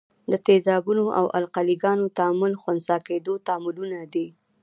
د تیزابونو او القلي ګانو تعامل خنثي کیدو تعاملونه دي.